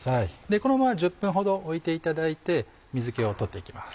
このまま１０分ほどおいていただいて水気を取っていきます。